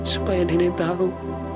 supaya nenek tahu